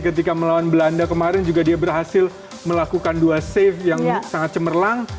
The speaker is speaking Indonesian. ketika melawan belanda kemarin juga dia berhasil melakukan dua safe yang sangat cemerlang